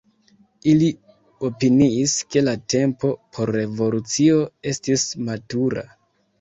Ili opiniis ke la tempo por revolucio estis matura.